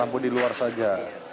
lampu di luar saja